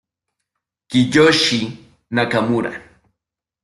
Kiyoshi Nakamura